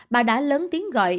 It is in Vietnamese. bà đã lớn tiếng gọi